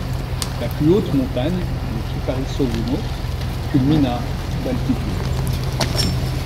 La plus haute montagne, le Kyparissovouno, culmine à d'altitude.